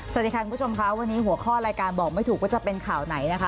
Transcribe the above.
สวัสดีค่ะคุณผู้ชมค่ะวันนี้หัวข้อรายการบอกไม่ถูกว่าจะเป็นข่าวไหนนะคะ